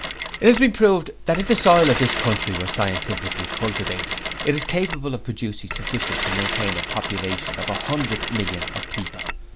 'It has been proved that if the soil of this country were scientifically cultivated, it is capable of producing sufficient to maintain a population of a hundred millions of people.